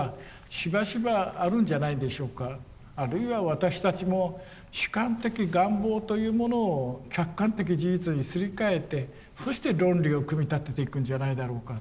あるいは私たちも主観的願望というものを客観的事実にすり替えてそして論理を組み立てていくんじゃないだろうか。